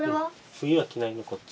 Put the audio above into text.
冬は着ないねこっち。